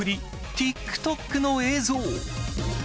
ＴｉｋＴｏｋの映像。